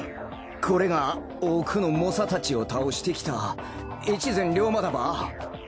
これが多くの猛者たちを倒してきた越前リョーマだば？